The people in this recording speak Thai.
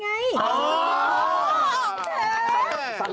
ไม่ใช่สิ